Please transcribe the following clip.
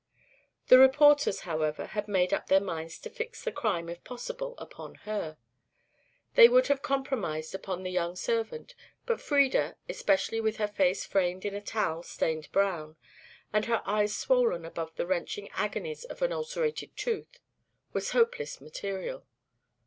The reporters, however, had made up their minds to fix the crime, if possible, upon her. They would have compromised upon the young servant, but Frieda, especially with her face framed in a towel stained brown, and her eyes swollen above the wrenching agonies of an ulcerated tooth, was hopeless material.